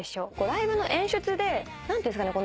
ライブの演出で何ていうんですかね